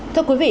thưa quý vị